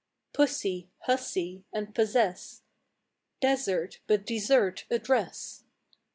Pussy, hussy and possess. Desert, but dessert, address.